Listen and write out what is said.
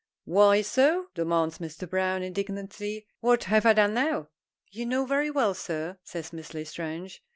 "Why so?" demands Mr. Browne, indignantly. "What have I done now?" "You know very well, sir," says Miss L'estrange.